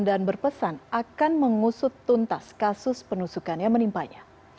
dan berpesan akan mengusut tuntas kasus penusukannya menimpanya